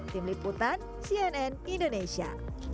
tim liputan cnn indonesia